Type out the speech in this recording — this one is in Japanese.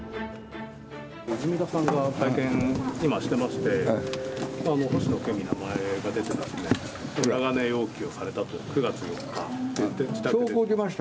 泉田さんが会見を今してまして、星野県議の名前が出てまして、裏金要求をされたと、９月４日って、証拠出ました？